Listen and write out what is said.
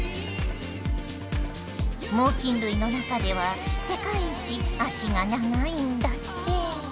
猛きん類の中では世界一脚が長いんだって。